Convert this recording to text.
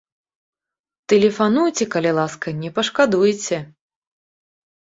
Тэлефануйце, калі ласка, не пашкадуеце!